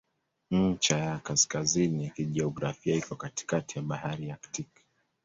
Ncha ya kaskazini ya kijiografia iko katikati ya Bahari ya Aktiki.